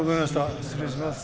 失礼します。